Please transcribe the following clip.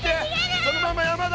そのまま山だ！